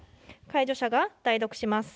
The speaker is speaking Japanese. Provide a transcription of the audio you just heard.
介助者が代読します。